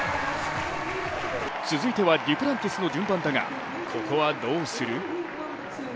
続いてはデュプランティスの順番だが、ここはどうする？